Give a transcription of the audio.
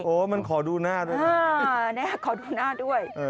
โอ้มันขอดูหน้าด้วยนะครับขอดูหน้าด้วย